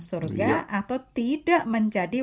surga atau tidak menjadi